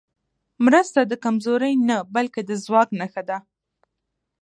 مرسته د کمزورۍ نه، بلکې د ځواک نښه ده.